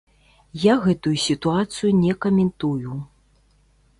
Я гэтую сітуацыю не каментую.